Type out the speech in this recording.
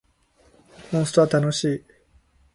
モンストは楽しい